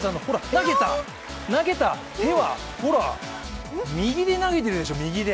投げた、投げた手は、ほら、右で投げてるでしょ、右で！